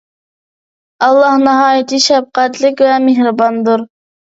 ئاللاھ ناھايتى شەپقەتلىك ۋە مېھرىباندۇر